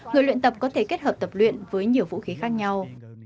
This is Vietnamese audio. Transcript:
người luyện tập có thể kết hợp tập luyện với nhiều vũ khí khác nhau